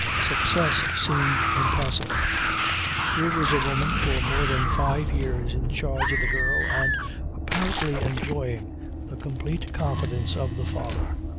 Success seemed impossible. Here was a woman for more than five years in charge of the girl and apparently enjoying the complete confidence of the father.